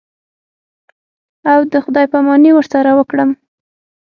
او د خداى پاماني ورسره وکړم.